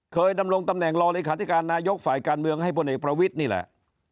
เคยดำรงตำแหน่งรลนฝการเมืองให้บเประวิทย์นี่แหละ